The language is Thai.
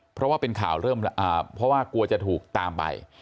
เพราะว่าเป็นข่าวเริ่มเพราะว่ากลัวจะถูกตามไป